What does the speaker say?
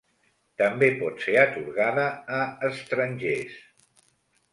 També pot ser atorgada a estrangers.